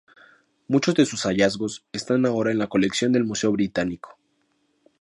Muchos de sus hallazgos están ahora en la colección del Museo británico.